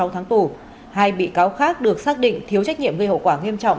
hai mươi tháng tù hai bị cáo khác được xác định thiếu trách nhiệm gây hậu quả nghiêm trọng